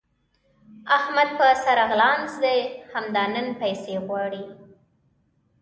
احمد په سره غولانځ دی؛ همدا نن پيسې غواړي.